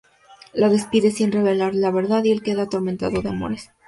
Lo despide sin revelarle la verdad, y el queda atormentado de amores.